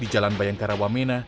di jalan bayangkara wamena